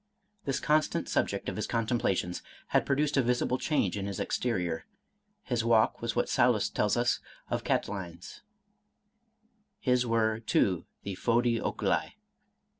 This constant sub ject of his contemplations had produced a visible change in his exterior, — his walk was what Sallust tells us of Cati line's, — his were, too, the " fo^di oculi."